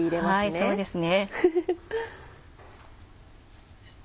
はいそうですね。